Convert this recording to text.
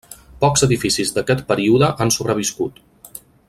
Pocs edificis d'aquest període han sobreviscut.